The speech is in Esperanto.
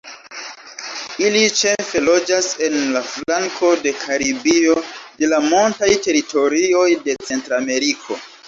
Ili ĉefe loĝas en la flanko de Karibio de la montaj teritorioj de Centrameriko.